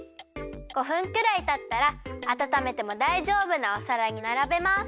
５分くらいたったらあたためてもだいじょうぶなおさらにならべます。